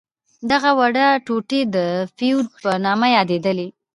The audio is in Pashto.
دغه وړې ټوټې د فیوډ په نامه یادیدلې.